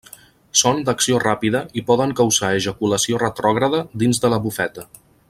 Són d'acció ràpida i poden causar ejaculació retrògrada dins de la bufeta.